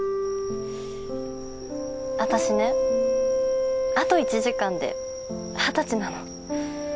私ねあと１時間で二十歳なの。